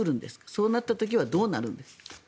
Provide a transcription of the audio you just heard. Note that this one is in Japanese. そうなった時はどうなるんですか？